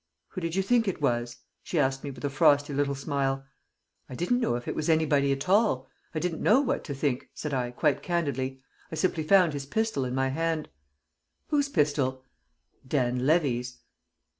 "Who did you think it was?" she asked me with a frosty little smile. "I didn't know if it was anybody at all. I didn't know what to think," said I, quite candidly. "I simply found his pistol in my hand." "Whose pistol?" "Dan Levy's."